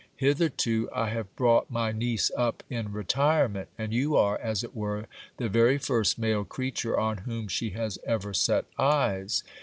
Hitherto I have brought my niece up in retirement, and you are, as it were, the very first male creature on whom she has ever set eyes.